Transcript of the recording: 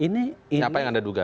siapa yang anda duga